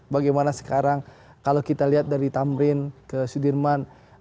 bagaimana sekarang kalau kita lihat dari tamrin ke sudirman